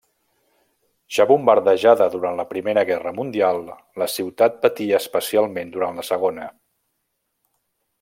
Ja bombardejada durant la Primera Guerra mundial, la ciutat patí especialment durant la Segona.